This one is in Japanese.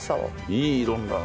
いい色だね。